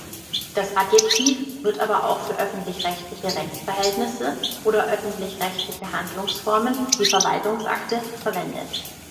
Das Adjektiv wird aber auch für öffentlich-rechtliche Rechtsverhältnisse oder öffentlich-rechtliche Handlungsformen, wie Verwaltungsakte, verwendet.